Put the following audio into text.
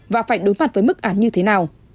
và phải đối mặt với mức án như thế nào